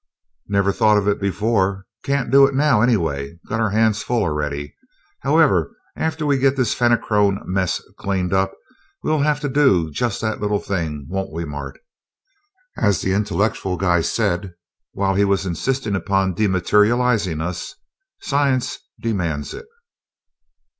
"Never thought of it before. Can't do it now, anyway got our hands full already. However, after we get this Fenachrone mess cleaned up we'll have to do just that little thing, won't we, Mart? As that intellectual guy said while he was insisting upon dematerializing us, 'Science demands it.'"